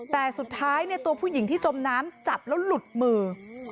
แต่สุดท้ายตัวผู้หญิงที่จมน้ำจับแล้วหลุดมือ